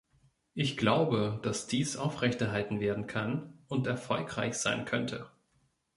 Ich glaube, dass dies aufrechterhalten werden kann und erfolgreich sein könnte.